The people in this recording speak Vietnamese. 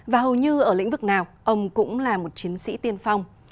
và hầu như ở lĩnh vực nào ông cũng là một chiến sĩ tiên phong